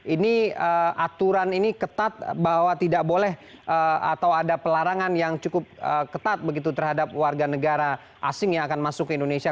ini aturan ini ketat bahwa tidak boleh atau ada pelarangan yang cukup ketat begitu terhadap warga negara asing yang akan masuk ke indonesia